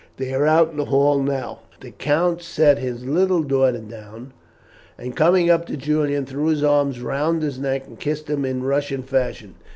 They are out in the hall now." The count set his little daughter down, and coming up to Julian threw his arms round his neck and kissed him in Russian fashion.